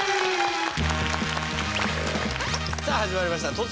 さあ始まりました